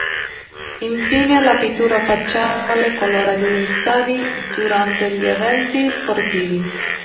Infine la pittura facciale colora gli stadi durante gli eventi sportivi.